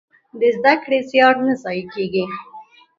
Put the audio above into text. د زده کړې زيار نه ضايع کېږي.